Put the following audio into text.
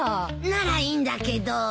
ならいいんだけど。